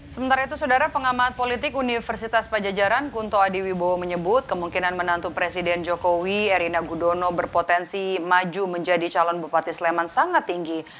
sementara itu saudara pengamat politik universitas pajajaran kunto adiwibowo menyebut kemungkinan menantu presiden jokowi erina gudono berpotensi maju menjadi calon bupati sleman sangat tinggi